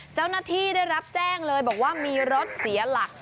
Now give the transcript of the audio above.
เจ้าหน้าที่ได้รับแจ้งเลยบอกว่ามีรถเสียหลัก